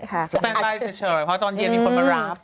แต่งไลน์เฉยเพราะตอนเย็นมีคนมารับ